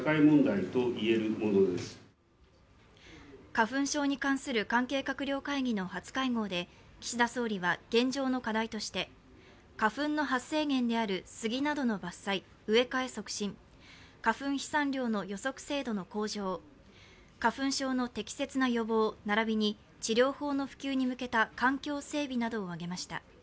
花粉症に関する関係閣僚会議の初会合で、岸田総理は現状の課題として花粉の発生源であるスギなどの伐採植え替え促進花粉飛散量の予測精度の向上、花粉症の適切な予防並びに治療法の普及に向けた環境整備などを挙げました。